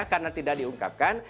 karena tidak diungkapkan